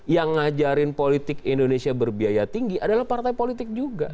yang ngajarin politik indonesia berbiaya tinggi adalah partai politik juga